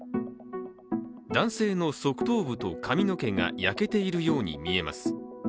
男性の側頭部と髪の毛が焼けているように見えます。